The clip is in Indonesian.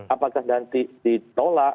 apakah nanti ditolak